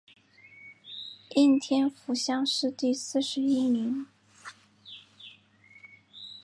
应天府乡试第四十一名。